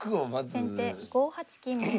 先手５八金右。